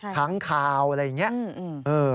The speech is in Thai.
ค้างข่าวอะไรอย่างนี้